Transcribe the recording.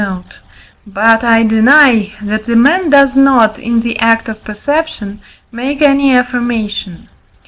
note); but I deny, that a man does not, in the act of perception, make any affirmation.